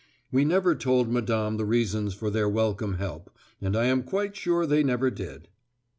We never told Madame the reasons for their welcome help; and I am quite sure they never did!